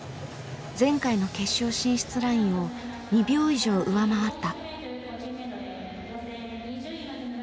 前回の決勝進出ラインを２秒以上上回った。